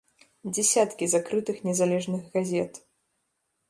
Дзесяткі закрытых незалежных газет.